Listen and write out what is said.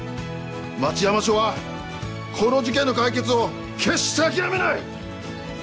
町山署はこの事件の解決を決して諦めない！